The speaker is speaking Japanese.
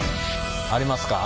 ありますか？